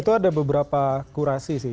itu ada beberapa kurasi sih